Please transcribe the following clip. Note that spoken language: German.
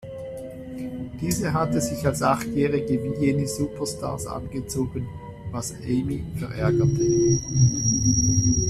Diese hatte sich als Achtjährige wie jene Superstars angezogen, was Amy verärgerte.